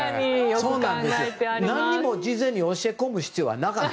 何も事前に教え込む必要はなかった。